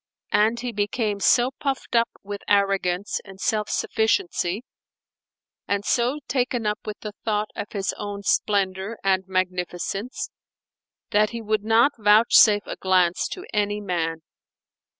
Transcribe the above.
And he became so puffed up with arrogance and self sufficiency, and so taken up with the thought of his own splendour and magnificence, that he would not vouchsafe a glance to any man.